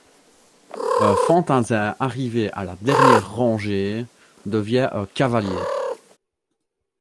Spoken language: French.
Un fantassin arrivé à la dernière rangée devient un cavalier.